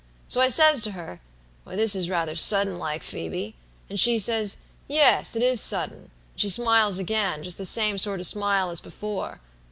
"So I says to her, 'Why, this is rather sudden like, Phoebe;' and she says, 'Yes, it is sudden;' and she smiles again, just the same sort of smile as before.